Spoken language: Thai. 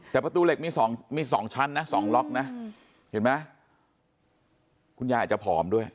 แต่ประตูเหล็กมี๒มี๒ชั้นนะ๒ล็อกนะเห็นไหมคุณยายอาจจะผอมด้วย